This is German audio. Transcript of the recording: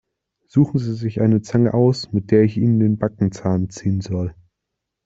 Suchen Sie sich eine Zange aus, mit der ich Ihnen den Backenzahn ziehen soll!